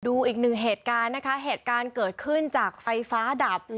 ดูอีกหนึ่งเหตุการณ์นะคะเหตุการณ์เกิดขึ้นจากไฟฟ้าดับ